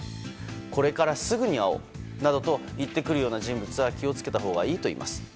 これからすぐに会おうなどと言ってくるような人物は気を付けたほうがいいといいます。